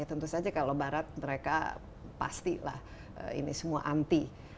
tentu saja kalau barat mereka pastilah ini semua anti